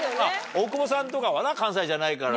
大久保さんとかは関西じゃないから。